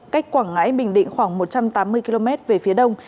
cách quảng ngãi bình định khoảng một trăm tám mươi km về phía đông